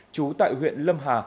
chú tại huyện lâm hà